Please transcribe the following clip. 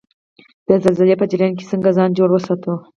د زلزلې په جریان کې څنګه ځان جوړ وساتو؟